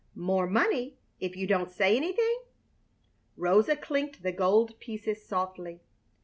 More money if you don't say anything?" Rosa clinked the gold pieces softly.